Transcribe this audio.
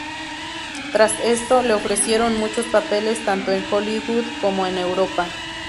Tras esto, le ofrecieron muchos papeles tanto en Hollywood como en Europa.